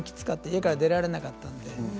家から出られなかったのでね。